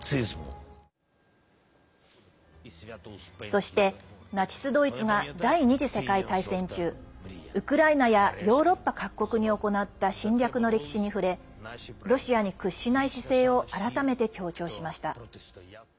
そしてナチス・ドイツが第２次世界大戦中ウクライナやヨーロッパ各国に行った侵略の歴史に触れロシアに屈しない姿勢を改めて強調しました。